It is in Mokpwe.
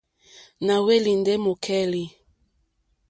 Nà hwélì ndé mòòkèlì,.